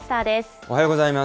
おはようございます。